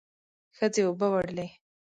ښځې اوبه وړلې.